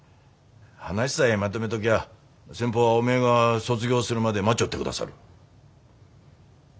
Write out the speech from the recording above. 話さえまとめときゃあ先方はおめえが卒業するまで待ちよってくださる。